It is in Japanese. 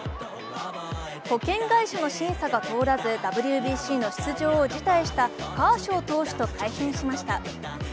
保険会社の審査が通らずＷＢＣの出場を辞退したカーショウ投手と対戦しました。